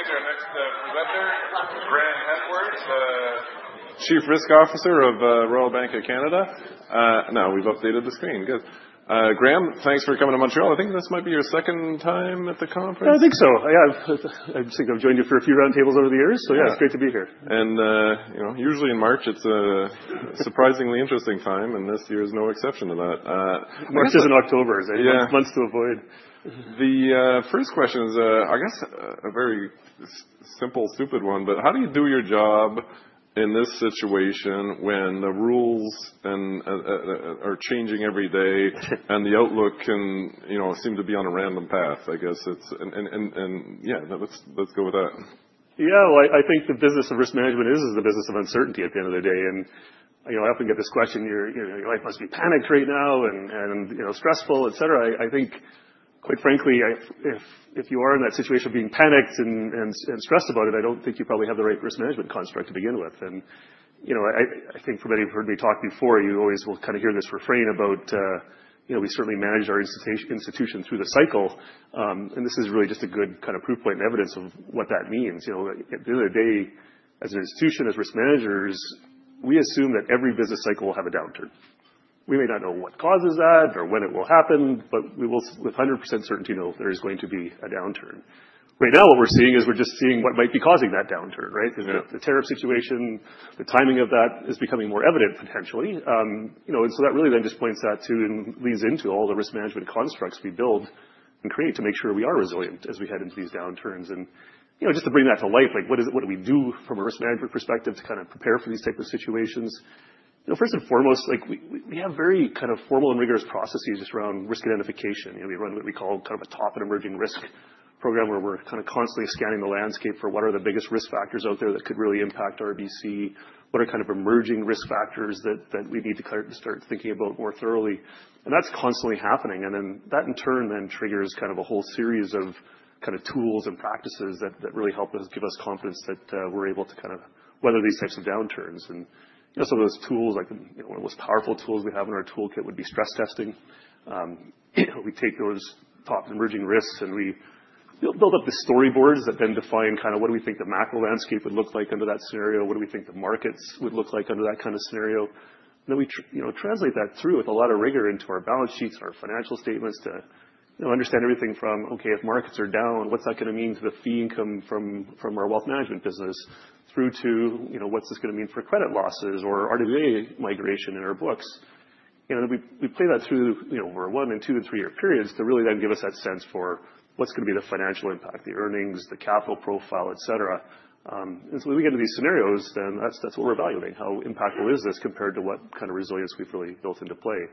All right. I'd like to welcome to the stage our next presenter, Graeme Hepworth, Chief Risk Officer of Royal Bank of Canada. No, we've updated the screen. Good. Graeme, thanks for coming to Montreal. I think this might be your second time at the conference. I think so. Yeah, I think I've joined you for a few roundtables over the years. So yeah, it's great to be here. Usually in March, it's a surprisingly interesting time, and this year is no exception to that. March is in October, so it's months to avoid. The first question is, I guess, a very simple, stupid one, but how do you do your job in this situation when the rules are changing every day and the outlook can seem to be on a random path? I guess it's, and yeah, let's go with that. Yeah, well, I think the business of risk management is the business of uncertainty at the end of the day. And I often get this question, your life must be panicked right now and stressful, et cetera. I think, quite frankly, if you are in that situation of being panicked and stressed about it, I don't think you probably have the right risk management construct to begin with. And I think for many who've heard me talk before, you always will kind of hear this refrain about we certainly manage our institution through the cycle. And this is really just a good kind of proof point and evidence of what that means. At the end of the day, as an institution, as risk managers, we assume that every business cycle will have a downturn. We may not know what causes that or when it will happen, but we will, with 100% certainty, know there is going to be a downturn. Right now, what we're seeing is we're just seeing what might be causing that downturn, right? The tariff situation, the timing of that is becoming more evident, potentially, and so that really then just points out to and leads into all the risk management constructs we build and create to make sure we are resilient as we head into these downturns, and just to bring that to life, what do we do from a risk management perspective to kind of prepare for these types of situations? First and foremost, we have very kind of formal and rigorous processes just around risk identification. We run what we call kind of a top and emerging risk program where we're kind of constantly scanning the landscape for what are the biggest risk factors out there that could really impact RBC. What are kind of emerging risk factors that we need to start thinking about more thoroughly? And that's constantly happening. And then that in turn triggers kind of a whole series of kind of tools and practices that really help us give us confidence that we're able to kind of weather these types of downturns. And some of those tools, like one of the most powerful tools we have in our toolkit, would be stress testing. We take those top emerging risks and we build up the storyboards that then define kind of what do we think the macro landscape would look like under that scenario? What do we think the markets would look like under that kind of scenario? We translate that through with a lot of rigor into our balance sheets, our financial statements to understand everything from, OK, if markets are down, what's that going to mean to the fee income from our wealth management business, through to what's this going to mean for credit losses or RWA migration in our books? We play that through over one-, two-, and three-year periods to really then give us that sense for what's going to be the financial impact, the earnings, the capital profile, et cetera. When we get into these scenarios, that's what we're evaluating. How impactful is this compared to what kind of resilience we've really built into play?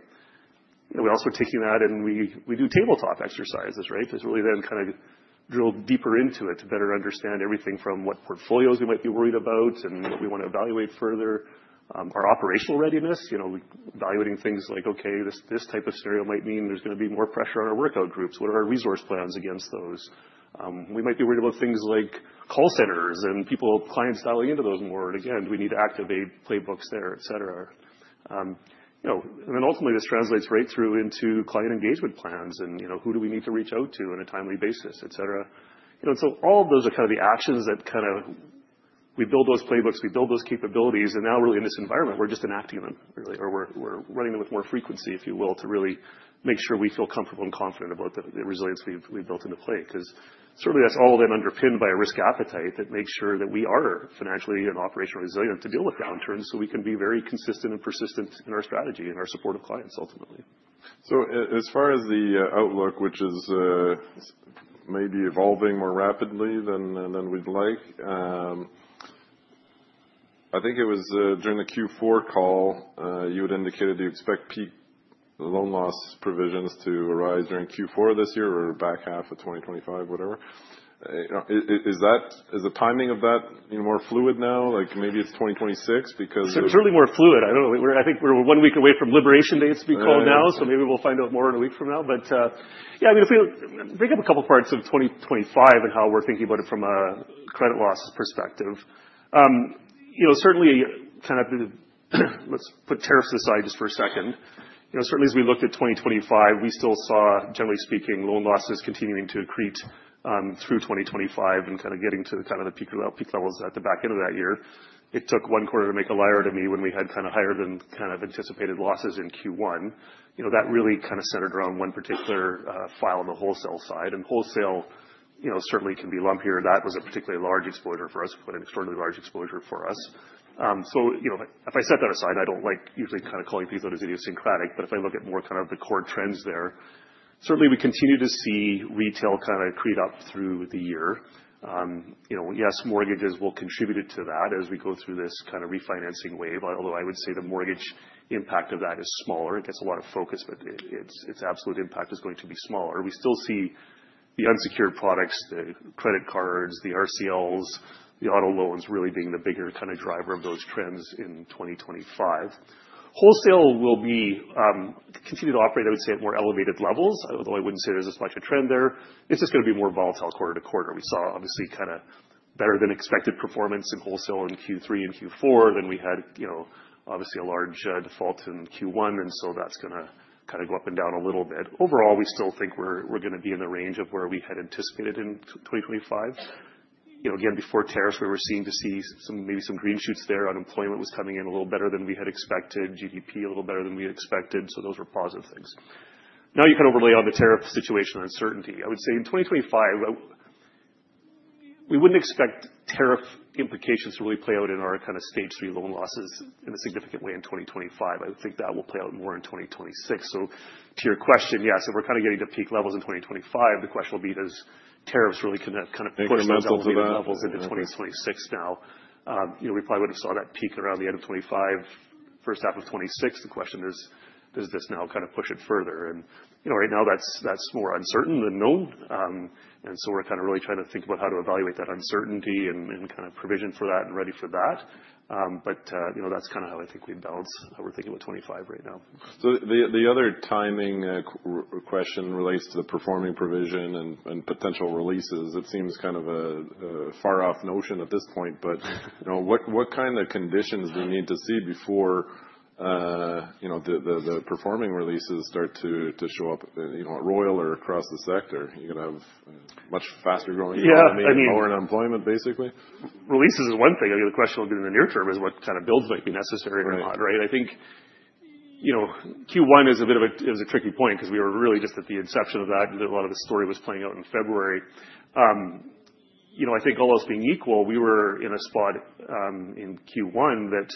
We're also taking that and we do tabletop exercises, right, to really then kind of drill deeper into it to better understand everything from what portfolios we might be worried about and what we want to evaluate further, our operational readiness, evaluating things like, OK, this type of scenario might mean there's going to be more pressure on our workout groups. What are our resource plans against those? We might be worried about things like call centers and people, clients dialing into those more. And again, do we need to activate playbooks there, et cetera? And then ultimately, this translates right through into client engagement plans and who do we need to reach out to on a timely basis, et cetera. And so all of those are kind of the actions that kind of we build those playbooks, we build those capabilities. And now really in this environment, we're just enacting them, really, or we're running them with more frequency, if you will, to really make sure we feel comfortable and confident about the resilience we've built into play. Because certainly, that's all then underpinned by a risk appetite that makes sure that we are financially and operationally resilient to deal with downturns so we can be very consistent and persistent in our strategy and our support of clients, ultimately. So as far as the outlook, which is maybe evolving more rapidly than we'd like, I think it was during the Q4 call, you had indicated you expect peak loan loss provisions to arise during Q4 this year or back half of 2025, whatever. Is the timing of that more fluid now? Like maybe it's 2026 because. It's certainly more fluid. I think we're one week away from election dates, we call it now, so maybe we'll find out more in a week from now. But yeah, I mean, if we break up a couple of parts of 2025 and how we're thinking about it from a credit loss perspective, certainly kind of let's put tariffs aside just for a second. Certainly, as we looked at 2025, we still saw, generally speaking, loan losses continuing to accrete through 2025 and kind of getting to kind of the peak levels at the back end of that year. It took one quarter to make a liar out of me when we had kind of higher than kind of anticipated losses in Q1. That really kind of centered around one particular file on the wholesale side. And wholesale certainly can be lumpier. That was a particularly large exposure for us, but an extraordinarily large exposure for us. So if I set that aside, I don't like usually kind of calling things out as idiosyncratic, but if I look at more kind of the core trends there, certainly we continue to see retail kind of accrete up through the year. Yes, mortgages will contribute to that as we go through this kind of refinancing wave, although I would say the mortgage impact of that is smaller. It gets a lot of focus, but its absolute impact is going to be smaller. We still see the unsecured products, the credit cards, the RCLs, the auto loans really being the bigger kind of driver of those trends in 2025. Wholesale will continue to operate, I would say, at more elevated levels, although I wouldn't say there's as much a trend there. It's just going to be more volatile quarter to quarter. We saw, obviously, kind of better than expected performance in wholesale in Q3 and Q4 than we had, obviously, a large default in Q1. And so that's going to kind of go up and down a little bit. Overall, we still think we're going to be in the range of where we had anticipated in 2025. Again, before tariffs, we were seeing maybe some green shoots there. Unemployment was coming in a little better than we had expected. GDP a little better than we expected. So those were positive things. Now you kind of overlay on the tariff situation uncertainty. I would say in 2025, we wouldn't expect tariff implications to really play out in our kind of Stage 3 loan losses in a significant way in 2025. I would think that will play out more in 2026. So to your question, yes, if we're kind of getting to peak levels in 2025, the question will be, does tariffs really kind of push those levels into 2026 now? We probably would have saw that peak around the end of 2025, first half of 2026. The question is, does this now kind of push it further? And right now, that's more uncertain than known. And so we're kind of really trying to think about how to evaluate that uncertainty and kind of provision for that and ready for that. But that's kind of how I think we balance how we're thinking about 2025 right now. So the other timing question relates to the performing provision and potential releases. It seems kind of a far-off notion at this point, but what kind of conditions do we need to see before the performing releases start to show up at Royal or across the sector? You're going to have much faster growing economy and lower unemployment, basically? Releases is one thing. The question will be in the near term is what kind of builds might be necessary or not, right? I think Q1 is a bit of a tricky point because we were really just at the inception of that. A lot of the story was playing out in February. I think all else being equal, we were in a spot in Q1 that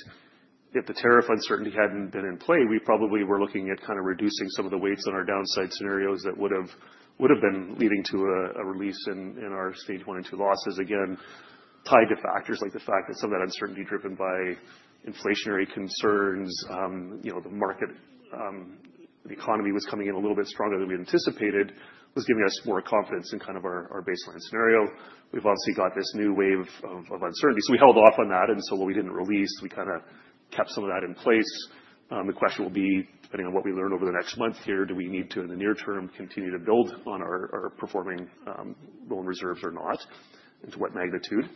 if the tariff uncertainty hadn't been in play, we probably were looking at kind of reducing some of the weights on our downside scenarios that would have been leading to a release in our stage one and two losses. Again, tied to factors like the fact that some of that uncertainty driven by inflationary concerns, the market, the economy was coming in a little bit stronger than we anticipated, was giving us more confidence in kind of our baseline scenario. We've obviously got this new wave of uncertainty. So we held off on that. And so while we didn't release, we kind of kept some of that in place. The question will be, depending on what we learn over the next month here, do we need to, in the near term, continue to build on our performing loan reserves or not, and to what magnitude?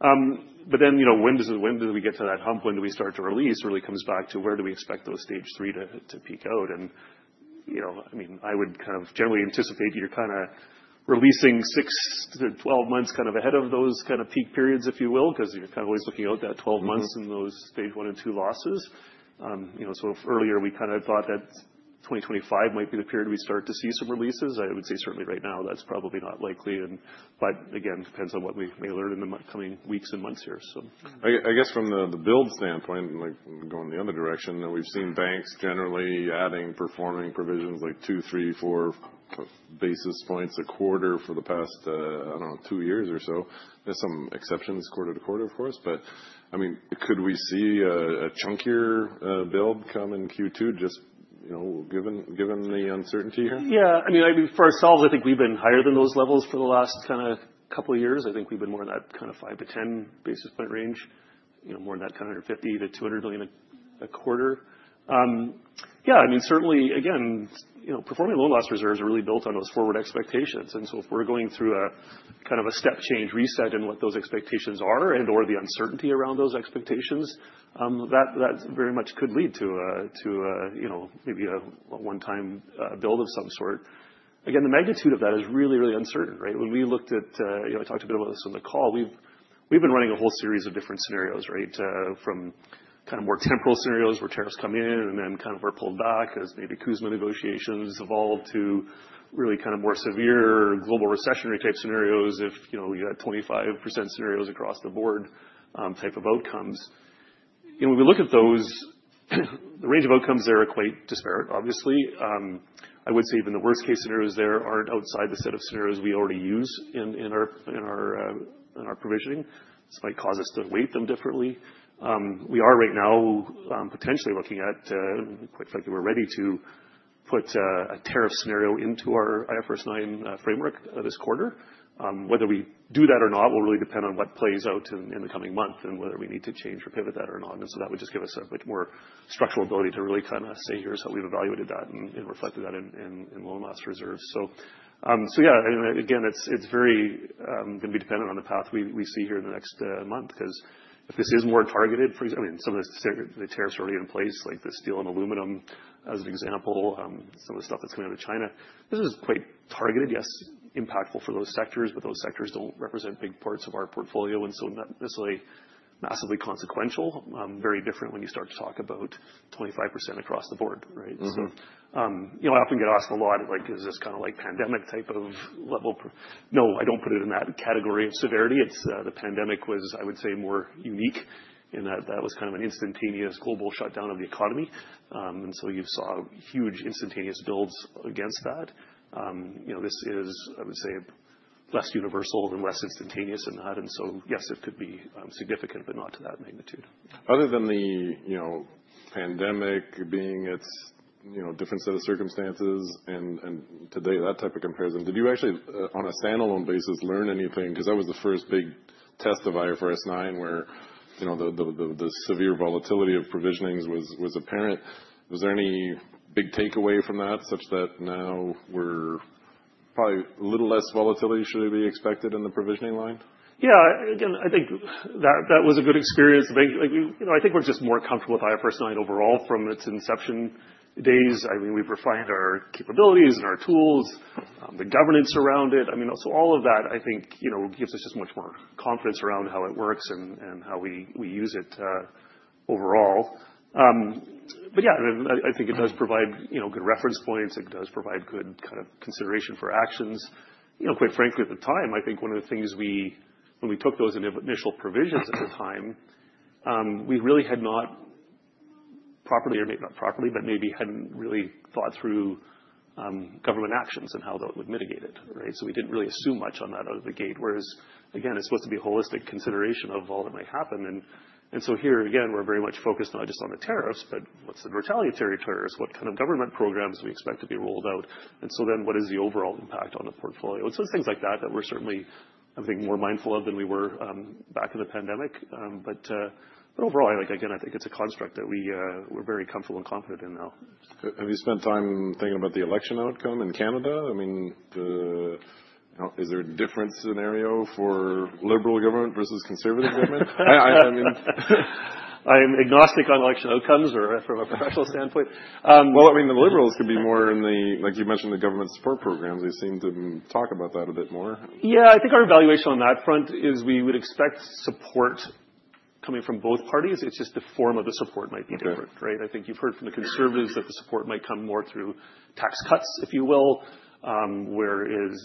But then when do we get to that hump? When do we start to release? Really comes back to where do we expect those Stage 3 to peak out? And I mean, I would kind of generally anticipate you're kind of releasing six to 12 months kind of ahead of those kind of peak periods, if you will, because you're kind of always looking out that 12 months in those Stage 1 and 2 losses. So if earlier we kind of thought that 2025 might be the period we start to see some releases, I would say certainly right now that's probably not likely. But again, depends on what we may learn in the coming weeks and months here. I guess from the build standpoint, going the other direction, we've seen banks generally adding performing provisions like two, three, four basis points a quarter for the past, I don't know, two years or so. There's some exceptions quarter to quarter, of course. But I mean, could we see a chunkier build come in Q2 just given the uncertainty here? Yeah. I mean, for ourselves, I think we've been higher than those levels for the last kind of couple of years. I think we've been more in that kind of 5 to 10 basis point range, more in that kind of 150 million-200 million a quarter. Yeah, I mean, certainly, again, performing loan loss reserves are really built on those forward expectations. And so if we're going through a kind of a step change, reset in what those expectations are and/or the uncertainty around those expectations, that very much could lead to maybe a one-time build of some sort. Again, the magnitude of that is really, really uncertain, right? When we looked at, I talked a bit about this on the call. We've been running a whole series of different scenarios, right, from kind of more temporal scenarios where tariffs come in and then kind of were pulled back as maybe CUSMA negotiations evolved to really kind of more severe global recessionary type scenarios if we had 25% scenarios across the board type of outcomes. When we look at those, the range of outcomes there are quite disparate, obviously. I would say even the worst-case scenarios there aren't outside the set of scenarios we already use in our provisioning. This might cause us to weight them differently. We are right now potentially looking at, quite frankly, we're ready to put a tariff scenario into our IFRS 9 framework this quarter. Whether we do that or not will really depend on what plays out in the coming month and whether we need to change or pivot that or not. And so that would just give us a much more structural ability to really kind of say, here's how we've evaluated that and reflected that in loan loss reserves. So yeah, I mean, again, it's very going to be dependent on the path we see here in the next month because if this is more targeted, for example, I mean, some of the tariffs are already in place, like the steel and aluminum as an example, some of the stuff that's coming out of China. This is quite targeted, yes, impactful for those sectors, but those sectors don't represent big parts of our portfolio and so not necessarily massively consequential, very different when you start to talk about 25% across the board, right? So I often get asked a lot, is this kind of like pandemic type of level? No, I don't put it in that category of severity. The pandemic was, I would say, more unique in that that was kind of an instantaneous global shutdown of the economy. And so you saw huge instantaneous builds against that. This is, I would say, less universal and less instantaneous than that. And so yes, it could be significant, but not to that magnitude. Other than the pandemic being its different set of circumstances and today, that type of comparison, did you actually, on a standalone basis, learn anything? Because that was the first big test of IFRS 9 where the severe volatility of provisionings was apparent. Was there any big takeaway from that such that now we're probably a little less volatility should be expected in the provisioning line? Yeah. Again, I think that was a good experience. I think we're just more comfortable with IFRS 9 overall from its inception days. I mean, we've refined our capabilities and our tools, the governance around it. I mean, so all of that, I think, gives us just much more confidence around how it works and how we use it overall. But yeah, I mean, I think it does provide good reference points. It does provide good kind of consideration for actions. Quite frankly, at the time, I think one of the things we, when we took those initial provisions at the time, we really had not properly, or maybe not properly, but maybe hadn't really thought through government actions and how that would mitigate it, right? So we didn't really assume much on that out of the gate, whereas, again, it's supposed to be a holistic consideration of all that might happen. And so here, again, we're very much focused not just on the tariffs, but what's the retaliatory tariffs? What kind of government programs do we expect to be rolled out? And so then what is the overall impact on the portfolio? And so it's things like that that we're certainly, I think, more mindful of than we were back in the pandemic. But overall, again, I think it's a construct that we're very comfortable and confident in now. Have you spent time thinking about the election outcome in Canada? I mean, is there a different scenario for Liberal government versus Conservative government? I mean. I am agnostic on election outcomes from a professional standpoint. I mean, the Liberals could be more in the, like you mentioned, the government support programs. They seem to talk about that a bit more. Yeah. I think our evaluation on that front is we would expect support coming from both parties. It's just the form of the support might be different, right? I think you've heard from the Conservatives that the support might come more through tax cuts, if you will, whereas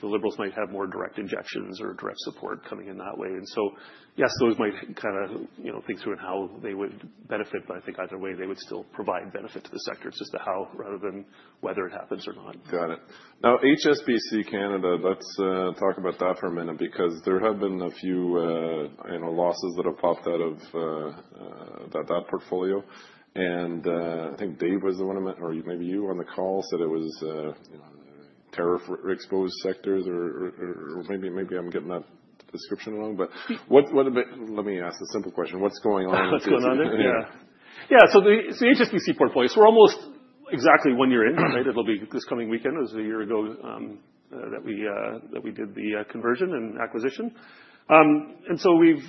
the Liberals might have more direct injections or direct support coming in that way, and so yes, those might kind of think through how they would benefit, but I think either way, they would still provide benefit to the sector. It's just the how rather than whether it happens or not. Got it. Now, HSBC Canada, let's talk about that for a minute because there have been a few losses that have popped out of that portfolio. And I think Dave was the one who met, or maybe you on the call said it was tariff-exposed sectors, or maybe I'm getting that description wrong. But let me ask a simple question. What's going on? What's going on there? Yeah. Yeah. So the HSBC portfolio, so we're almost exactly one year in, right? It'll be this coming weekend. It was a year ago that we did the conversion and acquisition. And so in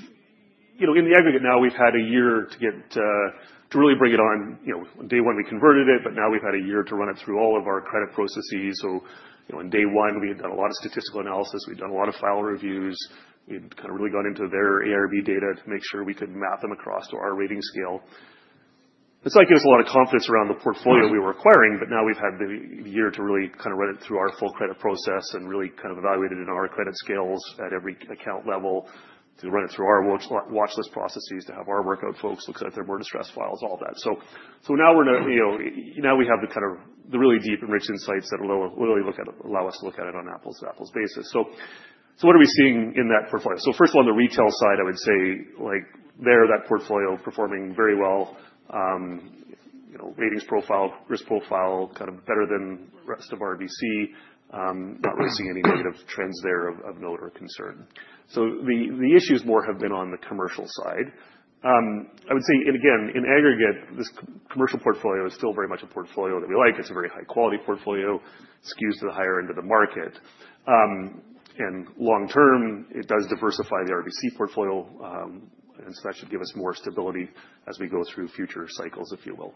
the aggregate now, we've had a year to really bring it on. Day one, we converted it, but now we've had a year to run it through all of our credit processes. So in day one, we had done a lot of statistical analysis. We'd done a lot of file reviews. We'd kind of really gone into their AIRB data to make sure we could map them across to our rating scale. It's like it was a lot of confidence around the portfolio we were acquiring, but now we've had the year to really kind of run it through our full credit process and really kind of evaluate it in our credit scales at every account level to run it through our watchlist processes to have our workout folks look at their borrower stress files, all that. So now we have the kind of really deep and rich insights that will really allow us to look at it on apples-to-apples basis. So what are we seeing in that portfolio? So first, on the retail side, I would say there that portfolio performing very well, ratings profile, risk profile, kind of better than the rest of RBC, not really seeing any negative trends there of note or concern. So the issues more have been on the commercial side. I would say, and again, in aggregate, this commercial portfolio is still very much a portfolio that we like. It's a very high-quality portfolio, skews to the higher end of the market. And long term, it does diversify the RBC portfolio. And so that should give us more stability as we go through future cycles, if you will.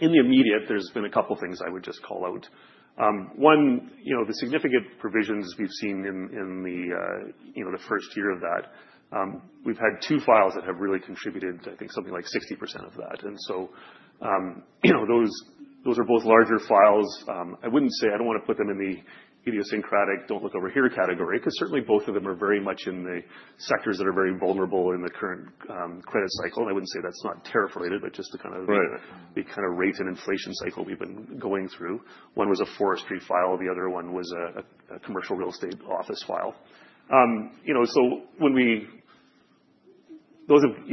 In the immediate, there's been a couple of things I would just call out. One, the significant provisions we've seen in the first year of that, we've had two files that have really contributed, I think, something like 60% of that. And so those are both larger files. I wouldn't say I don't want to put them in the idiosyncratic "don't look over here" category because certainly both of them are very much in the sectors that are very vulnerable in the current credit cycle. I wouldn't say that's not tariff-related, but just kind of the rate and inflation cycle we've been going through. One was a forestry file. The other one was a commercial real estate office file. So those have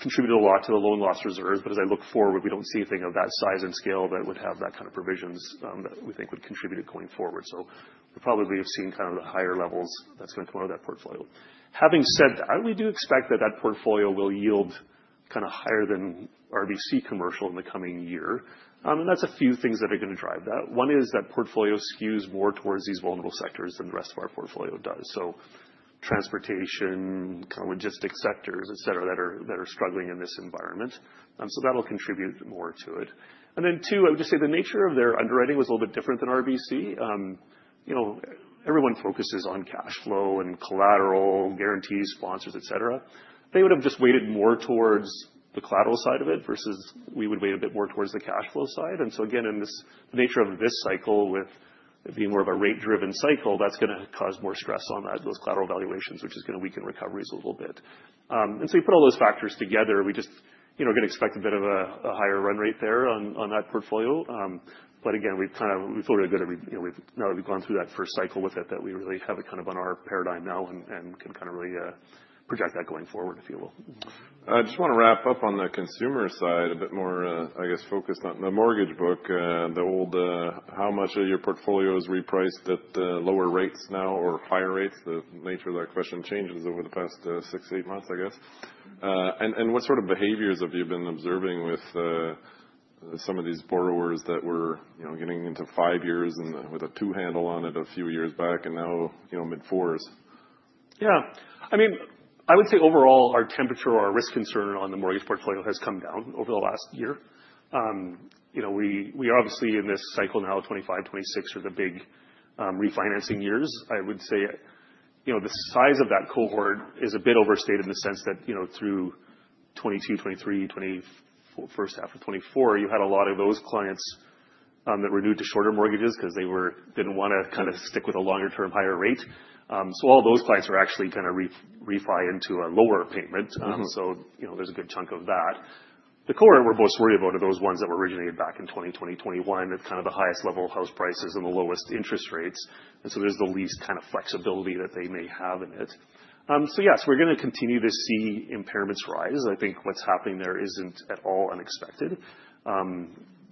contributed a lot to the loan loss reserves. But as I look forward, we don't see anything of that size and scale that would have that kind of provisions that we think would contribute going forward. So we'll probably be seeing kind of the higher levels that's going to come out of that portfolio. Having said that, we do expect that that portfolio will yield kind of higher than RBC commercial in the coming year. And that's a few things that are going to drive that. One is that portfolio skews more towards these vulnerable sectors than the rest of our portfolio does. So transportation, kind of logistics sectors, et cetera, that are struggling in this environment. So that'll contribute more to it. And then two, I would just say the nature of their underwriting was a little bit different than RBC. Everyone focuses on cash flow and collateral, guarantees, sponsors, et cetera. They would have just weighed more towards the collateral side of it versus we would weigh a bit more towards the cash flow side. And so again, in the nature of this cycle with it being more of a rate-driven cycle, that's going to cause more stress on those collateral valuations, which is going to weaken recoveries a little bit. And so you put all those factors together, we just can expect a bit of a higher run rate there on that portfolio. But again, we've already got a, now that we've gone through that first cycle with it, that we really have it kind of on our paradigm now and can kind of really project that going forward, if you will. I just want to wrap up on the consumer side a bit more, I guess, focused on the mortgage book, how much of your portfolio is repriced at lower rates now or higher rates? The nature of that question changes over the past six, eight months, I guess, and what sort of behaviors have you been observing with some of these borrowers that were getting into five years with a two handle on it a few years back and now mid-fours? Yeah. I mean, I would say overall, our temperature or our risk concern on the mortgage portfolio has come down over the last year. We are obviously in this cycle now of 2025, 2026 are the big refinancing years. I would say the size of that cohort is a bit overstated in the sense that through 2022, 2023, first half of 2024, you had a lot of those clients that were new to shorter mortgages because they didn't want to kind of stick with a longer-term higher rate. So all those clients are actually kind of refi into a lower payment. So there's a good chunk of that. The cohort we're most worried about are those ones that were originated back in 2020, 2021. It's kind of the highest level of house prices and the lowest interest rates. And so there's the least kind of flexibility that they may have in it. So yes, we're going to continue to see impairments rise. I think what's happening there isn't at all unexpected.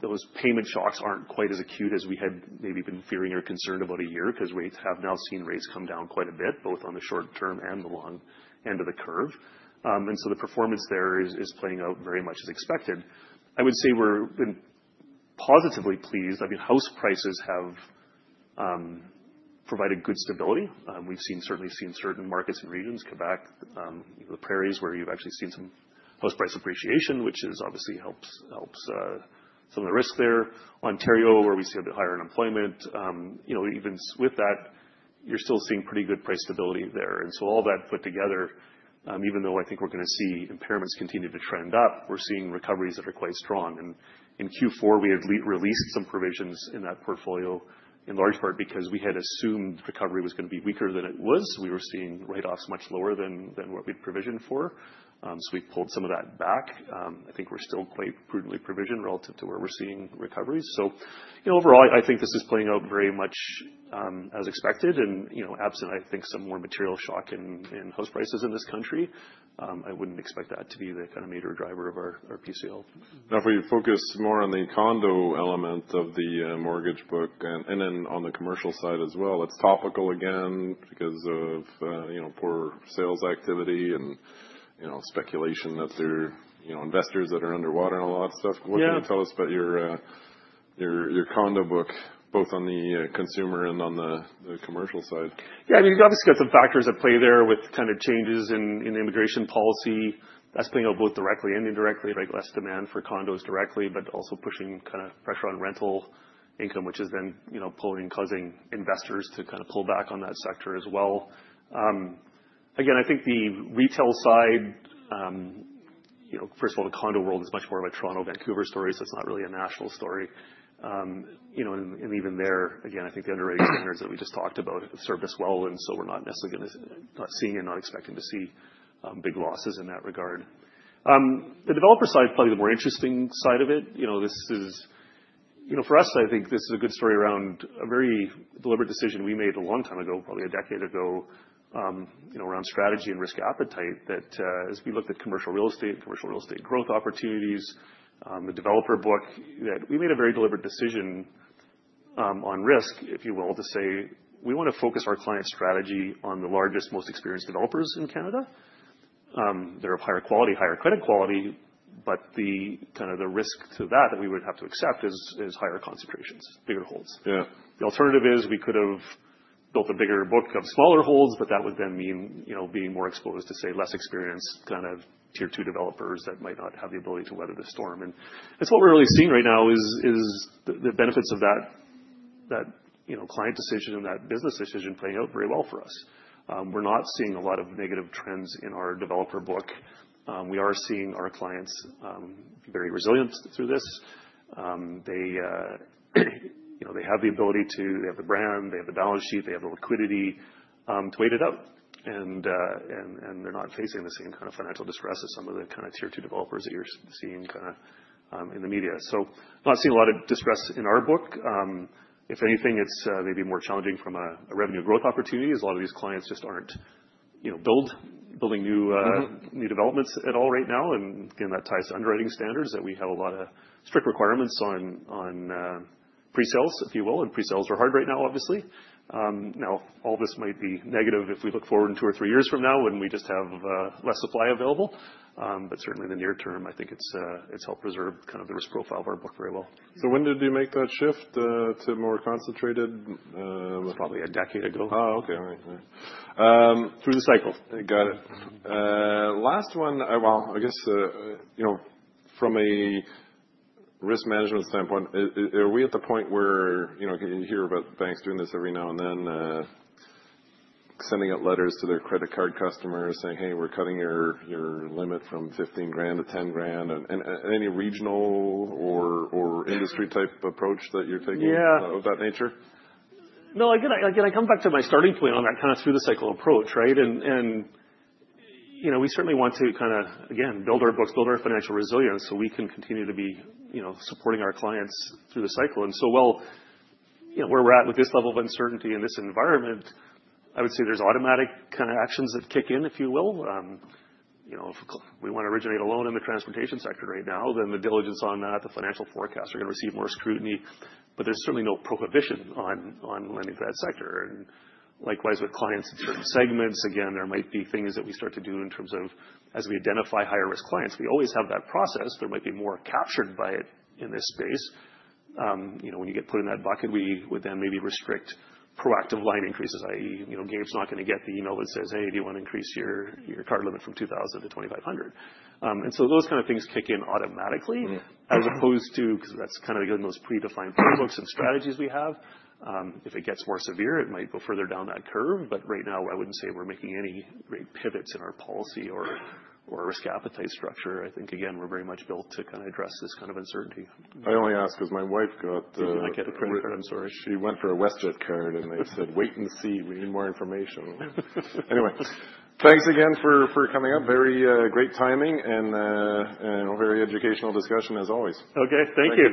Those payment shocks aren't quite as acute as we had maybe been fearing or concerned about a year because we've seen rates come down quite a bit, both on the short term and the long end of the curve. And so the performance there is playing out very much as expected. I would say we're positively pleased. I mean, house prices have provided good stability. We've certainly seen certain markets and regions, Quebec, the Prairies, where you've actually seen some house price appreciation, which obviously helps some of the risk there. Ontario, where we see a bit higher unemployment. Even with that, you're still seeing pretty good price stability there. And so all that put together, even though I think we're going to see impairments continue to trend up, we're seeing recoveries that are quite strong, and in Q4, we had released some provisions in that portfolio in large part because we had assumed recovery was going to be weaker than it was. We were seeing write-offs much lower than what we'd provisioned for, so we pulled some of that back. I think we're still quite prudently provisioned relative to where we're seeing recoveries, so overall, I think this is playing out very much as expected, and absent, I think, some more material shock in house prices in this country, I wouldn't expect that to be the kind of major driver of our PCL. Now, if we focus more on the condo element of the mortgage book and then on the commercial side as well, it's topical again because of poor sales activity and speculation that there are investors that are underwater and all that stuff. What can you tell us about your condo book, both on the consumer and on the commercial side? Yeah. I mean, you've obviously got some factors at play there with kind of changes in immigration policy that's playing out both directly and indirectly, like less demand for condos directly, but also pushing kind of pressure on rental income, which is then causing investors to kind of pull back on that sector as well. Again, I think the retail side, first of all, the condo world is much more of a Toronto, Vancouver story. So it's not really a national story. And even there, again, I think the underwriting standards that we just talked about served us well. And so we're not necessarily going to, not seeing and not expecting to see big losses in that regard. The developer side is probably the more interesting side of it. For us, I think this is a good story around a very deliberate decision we made a long time ago, probably a decade ago, around strategy and risk appetite that as we looked at commercial real estate, commercial real estate growth opportunities, the developer book, that we made a very deliberate decision on risk, if you will, to say we want to focus our client strategy on the largest, most experienced developers in Canada. They're of higher quality, higher credit quality. But kind of the risk to that that we would have to accept is higher concentrations, bigger holds. The alternative is we could have built a bigger book of smaller holds, but that would then mean being more exposed to, say, less experienced kind of tier two developers that might not have the ability to weather the storm. It's what we're really seeing right now is the benefits of that client decision and that business decision playing out very well for us. We're not seeing a lot of negative trends in our developer book. We are seeing our clients very resilient through this. They have the ability to, they have the brand, they have the balance sheet, they have the liquidity to weather it up. And they're not facing the same kind of financial distress as some of the kind of tier two developers that you're seeing kind of in the media. So not seeing a lot of distress in our book. If anything, it's maybe more challenging from a revenue growth opportunity as a lot of these clients just aren't building new developments at all right now. Again, that ties to underwriting standards that we have a lot of strict requirements on presales, if you will. Presales are hard right now, obviously. Now, all this might be negative if we look forward in two or three years from now when we just have less supply available. Certainly in the near term, I think it's helped preserve kind of the risk profile of our book very well. So when did you make that shift to more concentrated? Probably a decade ago. Oh, okay. All right. Through the cycle. Got it. Last one, well, I guess from a risk management standpoint, are we at the point where you hear about banks doing this every now and then, sending out letters to their credit card customers saying, "Hey, we're cutting your limit from 15,000 to 10,000"? Any regional or industry type approach that you're taking of that nature? No, again, I come back to my starting point on that kind of through the cycle approach, right? And we certainly want to kind of, again, build our books, build our financial resilience so we can continue to be supporting our clients through the cycle. And so while where we're at with this level of uncertainty in this environment, I would say there's automatic kind of actions that kick in, if you will. If we want to originate a loan in the transportation sector right now, then the diligence on that, the financial forecasts are going to receive more scrutiny. But there's certainly no prohibition on lending to that sector. And likewise with clients in certain segments, again, there might be things that we start to do in terms of as we identify higher risk clients, we always have that process. There might be more captured by it in this space. When you get put in that bucket, we would then maybe restrict proactive line increases, i.e., Gabe's not going to get the email that says, "Hey, do you want to increase your card limit from 2,000 to 2,500?" and so those kind of things kick in automatically as opposed to, because that's kind of the most predefined playbooks and strategies we have. If it gets more severe, it might go further down that curve, but right now, I wouldn't say we're making any great pivots in our policy or risk appetite structure. I think, again, we're very much built to kind of address this kind of uncertainty. I only ask because my wife got. Did you not get a credit card? I'm sorry. She went for a WestJet card and they said, "Wait and see. We need more information." Anyway, thanks again for coming up. Very great timing and a very educational discussion as always. Okay. Thank you.